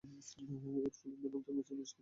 এরফলে man of the ম্যাচের পুরস্কার লাভ করেন তিনি।